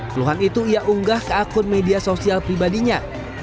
keluhan itu ia unggah ke akun media sosial pribadinya